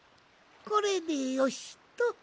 これでよしっと。